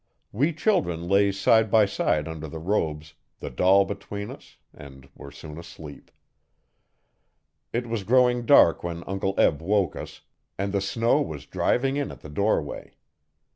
We children lay side by side under the robes, the doll between us, and were soon asleep. It was growing dark when Uncle Eb woke us, and the snow was driving in at the doorway.